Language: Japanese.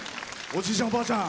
おじいちゃん